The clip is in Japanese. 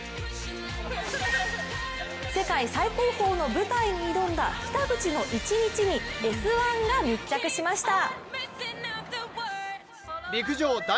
世界最高峰の舞台に挑んだ北口の一日に「Ｓ☆１」が密着しました。